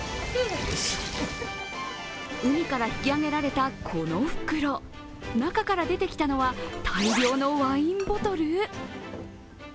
海から引き揚げられたこの袋、中から出てきたのは、大量のワインボトル？